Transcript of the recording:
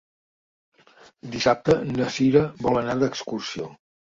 Dissabte na Sira vol anar d'excursió.